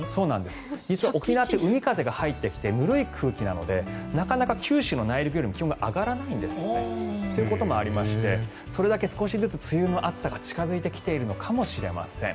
実は沖縄って海風が入ってきてぬるい空気なのでなかなか九州の内陸よりも気温が上がらないんですね。ということもありましてそれだけ少しずつ梅雨の暑さが近付いてきているのかもしれません。